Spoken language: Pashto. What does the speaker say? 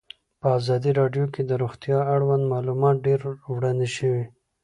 په ازادي راډیو کې د روغتیا اړوند معلومات ډېر وړاندې شوي.